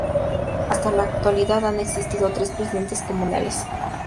Hasta la actualidad han existido tres presidentes comunales.